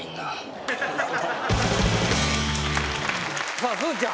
さあすずちゃん。